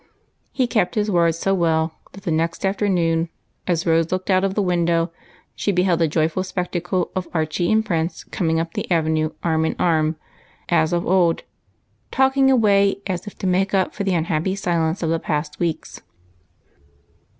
He kept his word so well that the very next after noon, as Rose looked out of the window, she beheld the joyful spectacle of Archie and Prince coming up the avenue, arm in arm, as of old, talking away as if to make ujd for the unhappy silence of the past weeks.